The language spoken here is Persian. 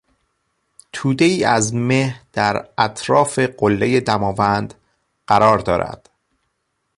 تودهای از مه در اطراف قلهی دماوند قرار دارد.